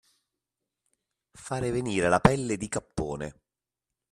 Fare venire la pelle di cappone.